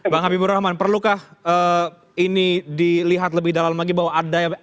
bang habibur rahman perlukah ini dilihat lebih dalam lagi bahwa ada yang